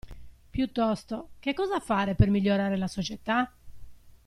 Piuttosto, che cosa fare per migliorare la società?